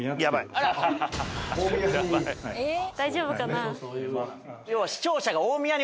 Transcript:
大丈夫かな。